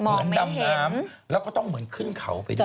ดำน้ำแล้วก็ต้องเหมือนขึ้นเขาไปด้วย